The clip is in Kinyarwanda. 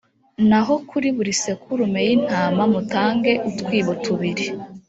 naho kuri buri sekurume y’intama mutange utwibo tubiri.